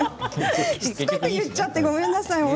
しつこく言っちゃってごめんなさい。